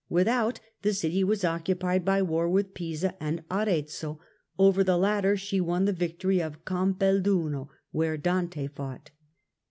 Without, the city was occupied by war with Pisa and Arezzo : over the latter she won the victory of Campelduno, where Dante fought.